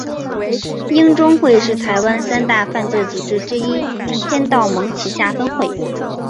鹰中会是台湾三大犯罪组织之一天道盟旗下分会。